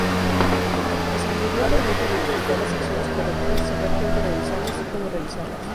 La sabiduría permite identificar las acciones correctas, saber cuándo realizarlas y cómo realizarlas.